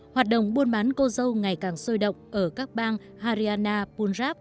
hoạt động buôn bán cổ dầu ngày càng sôi động ở các bang haryana punjab